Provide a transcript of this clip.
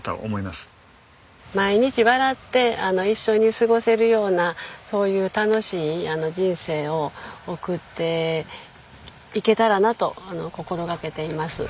毎日笑って一緒に過ごせるようなそういう楽しい人生を送っていけたらなと心掛けています。